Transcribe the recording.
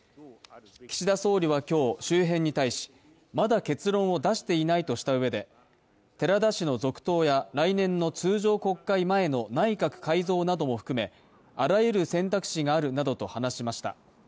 岸田総理は今日、周辺に対しまだ結論を出していないとしたうえで、寺田氏の続投や来年の通常国会前の内閣改造なども含めあらゆる選択肢があるなどと話しました。